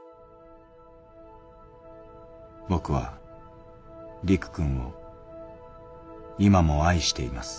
「僕は陸君を今も愛しています」。